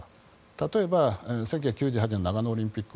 例えば１９９８年の長野オリンピック